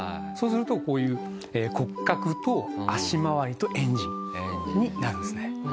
そうするとこういう骨格と足回りとエンジンになるんですね。